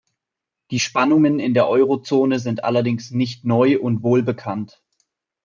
Die Spannungen in der Eurozone sind allerdings nicht neu und wohlbekannt.